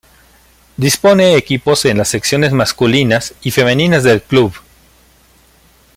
Dispone equipos en las secciones masculinas y femeninas del club.